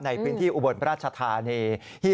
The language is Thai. ในพื้นที่อุบลราชธานี